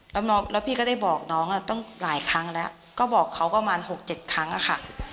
แล้วพี่ก็ได้บอกน้องตั้งหลายครั้งแล้วก็บอกเขาประมาณ๖๗ครั้งอะค่ะ